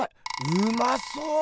うまそう！